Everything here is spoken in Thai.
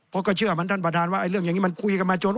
เพราะก็เชื่อมันท่านประธานว่าเรื่องอย่างนี้มันคุยกันมาจน